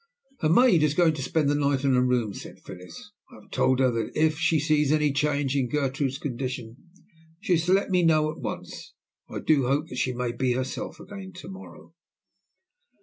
"Her maid is going to spend the night in her room," said Phyllis; "I have told her that, if she sees any change in Gertrude's condition, she is to let me know at once. I do hope that she may be herself again to morrow."